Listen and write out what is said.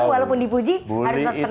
walaupun di puji harus tetap senang